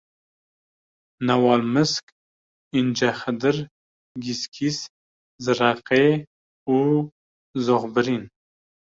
Newalmisk, Încexidir, Gîsgîs, Zireqê û Zoxbirîn